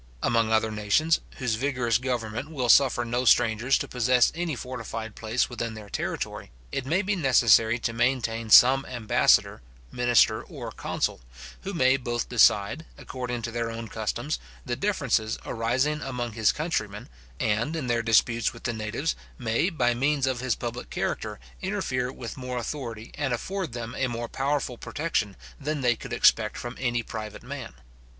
Among other nations, whose vigorous government will suffer no strangers to possess any fortified place within their territory, it may be necessary to maintain some ambassador, minister, or consul, who may both decide, according to their own customs, the differences arising among his own countrymen, and, in their disputes with the natives, may by means of his public character, interfere with more authority and afford them a more powerful protection than they could expect from any private man.